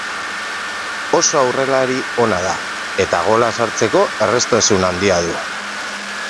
Oso aurrelari ona da, eta gola sartzeko erraztasun handi du.